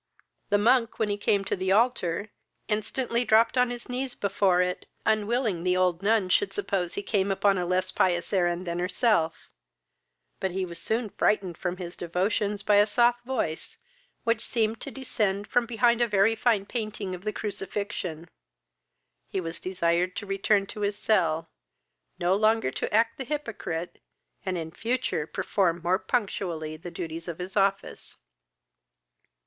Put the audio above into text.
The monk, when he came to the altar, instantly dropped on his knees before it, unwilling the old nun should suppose he came upon a less pious errand than herself; but he was soon frightened from his devotions by a soft voice, which seemed to descend from behind a very fine painting of the crucifixion. He was desired to return to his cell, no longer to act the hypocrite, and in future to perform more punctually the duties of his office.